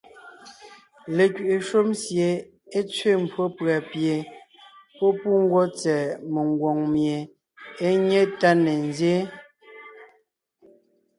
Lekwiʼi shúm sie é tsẅé mbwó pʉ̀a pie pɔ́ pú ngwɔ́ tsɛ̀ɛ mengwòŋ mie é nyé tá ne nzyéen.